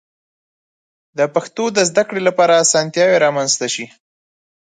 د پښتو د زده کړې لپاره آسانتیاوې رامنځته شي.